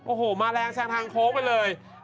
โอ้โหมาแรงแซงทางโค้งไปเลย